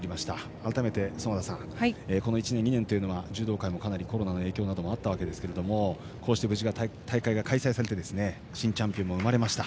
改めて園田さん、この１年２年は柔道界もかなりコロナの影響などもあったわけですがこうして無事、大会が開催されて新チャンピオンも生まれました。